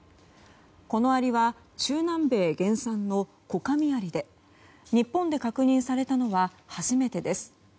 このアリは中南米原産のコカミアリで日本で確認されたのは初めてです。